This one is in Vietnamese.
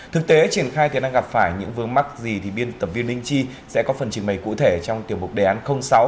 thực tế triển khai thể năng gặp phải những vương mắc gì thì biên tập viên linh chi sẽ có phần trình bày cụ thể trong tiềm mục đề án sáu